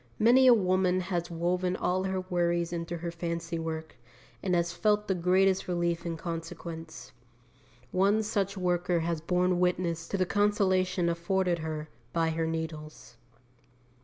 Many a woman has woven all her worries into her fancy work, and has felt the greatest relief in consequence. One such worker has borne witness to the consolation afforded her by her needles.